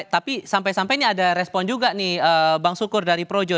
tapi sampai sampai ini ada respon juga nih bang sukur dari projo